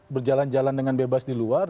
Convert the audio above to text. berjalan jalan dengan bebas di luar